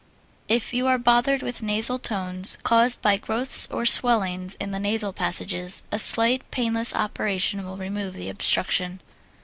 If you are bothered with nasal tones caused by growths or swellings in the nasal passages, a slight, painless operation will remove the obstruction.